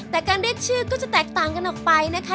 แต่การเรียกชื่อก็จะแตกต่างกันออกไปนะคะ